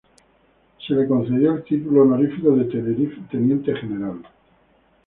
Se le concedió el título honorífico de Teniente General.